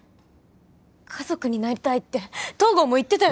家族になりたいって東郷も言ってたよね？